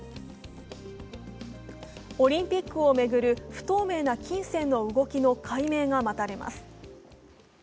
オリンピックを巡る不透明な金銭の動きの解明が待たれます。